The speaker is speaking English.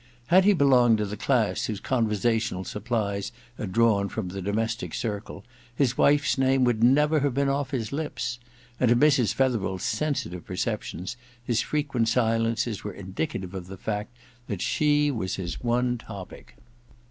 Had he belonged to the class whose conversational sup pUes are drawn from the domestic circle, his wife's name would never have been off his lips ; and to Mrs. Fetherel's sensitive perceptions his frequent silences were indicative of the fact that she was his one topic.